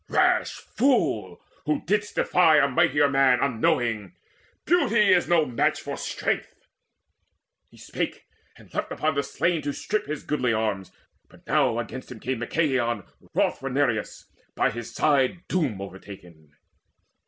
Rash fool, who didst defy a mightier man Unknowing! Beauty is no match for strength!" He spake, and leapt upon the slain to strip His goodly arms: but now against him came Machaon wroth for Nireus, by his side Doom overtaken.